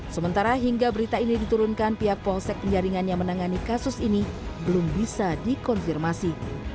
sementara hingga berita ini diturunkan pihak polsek penjaringan yang menangani kasus ini belum bisa dikonfirmasi